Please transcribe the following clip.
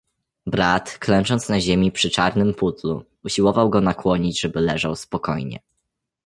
"Brat, klęcząc na ziemi przy czarnym pudlu, usiłował go nakłonić żeby leżał spokojnie."